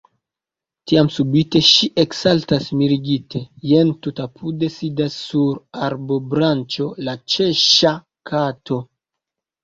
Tiam subite ŝi eksaltas mirigite; jen, tutapude, sidas sur arbobranĉo la Ĉeŝŝa kato.